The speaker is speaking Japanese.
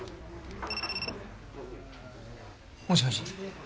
もしもし。